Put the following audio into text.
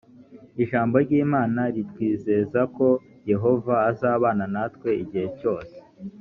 ijambo ry imana ritwizeza ko yehova azabana natwe igihe cyose.